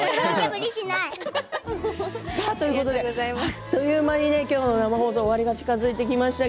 あっという間に生放送終わりが近づいてきました。